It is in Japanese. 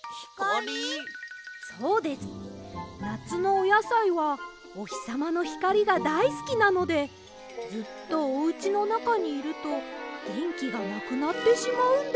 なつのおやさいはおひさまのひかりがだいすきなのでずっとおうちのなかにいるとげんきがなくなってしまうんです。